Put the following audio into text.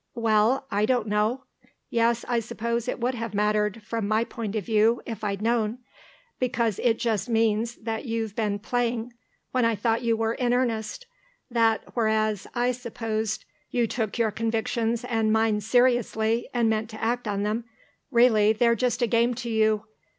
Well, I don't know. Yes, I suppose it would have mattered, from my point of view, if I'd known. Because it just means that you've been playing when I thought you were in earnest; that, whereas I supposed you took your convictions and mine seriously and meant to act on them, really they're just a game to you.